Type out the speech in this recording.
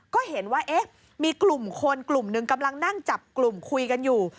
ก็เห็นว่าเอ๊ะมีกลุ่มคนกลุ่มหนึ่งกำลังนั่งจับกลุ่มคุยกันอยู่